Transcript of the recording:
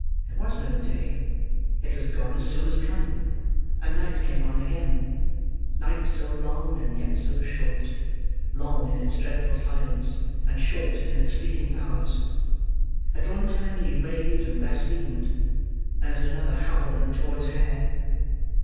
There was no day; it was gone as soon as come—and night came on again; night so long, and yet so short; long in its dreadful silence, and short in its fleeting hours. At one time he raved and blasphemed; and at another howled and tore his hair.